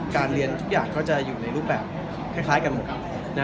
เรียนทุกอย่างก็จะอยู่ในรูปแบบคล้ายกันหมดครับ